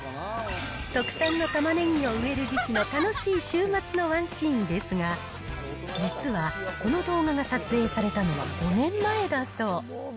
特産の玉ねぎを植える時期の楽しい週末のワンシーンですが、実は、この動画が撮影されたのは５年前だそう。